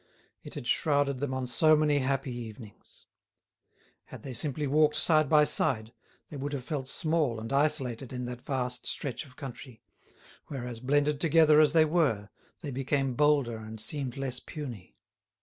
It had shrouded them on so many happy evenings! Had they simply walked side by side, they would have felt small and isolated in that vast stretch of country, whereas, blended together as they were, they became bolder and seemed less puny.